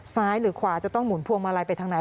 หรือขวาจะต้องหุนพวงมาลัยไปทางไหน